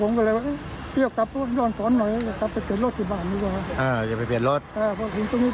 ผมก็ทิ้งเลยทิ้งเลยทิ้งรถเลยทิ้งเลย